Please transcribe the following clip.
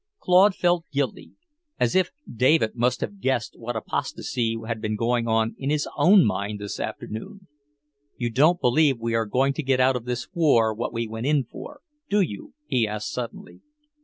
Claude felt guilty; as if David must have guessed what apostasy had been going on in his own mind this afternoon. "You don't believe we are going to get out of this war what we went in for, do you?" he asked suddenly.